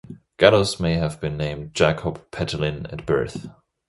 Gallus may have been named "Jakob Petelin" at birth.